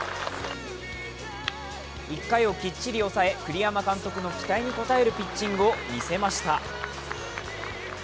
１回をきっちり抑え、栗山監督の期待に応えるピッチングをみせました。